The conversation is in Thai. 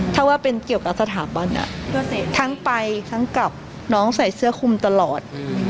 ถ้าว่าเป็นเกี่ยวกับสถาบันทั้งไปทั้งกับน้องใส่เสื้อคุมตลอด